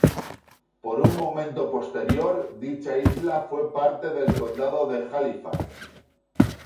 Por un momento posterior dicha isla fue parte del condado de Halifax.